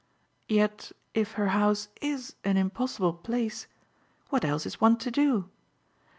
Yet if her house IS an impossible place what else is one to do?